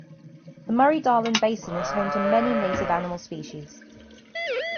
The Murray-Darling basin is home to many native animal species.